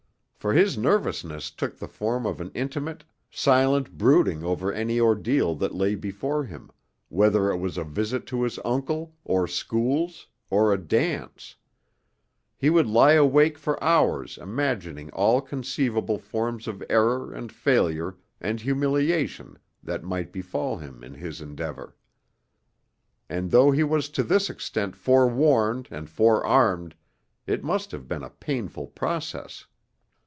For his nervousness took the form of an intimate, silent brooding over any ordeal that lay before him, whether it was a visit to his uncle, or 'Schools,' or a dance: he would lie awake for hours imagining all conceivable forms of error and failure and humiliation that might befall him in his endeavour. And though he was to this extent forewarned and forearmed, it must have been a painful process.